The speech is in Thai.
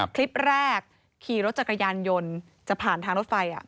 คลิปแรกขี่รถจักรยานยนต์จะผ่านทางรถไฟ